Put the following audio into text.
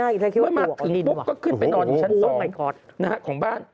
เมื่อมาถึงปุ๊บก็ขึ้นไปนอนอยู่ชั้น๒ของบ้าน